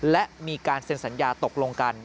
และมีการเซ็นสัญญาตกลงกัน